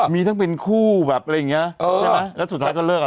มีต้องเป็นคู่แบบอย่างไง